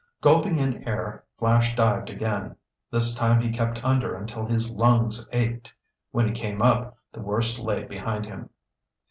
Gulping in air, Flash dived again. This time he kept under until his lungs ached. When he came up, the worst lay behind him.